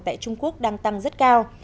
tại trung quốc đang tăng rất cao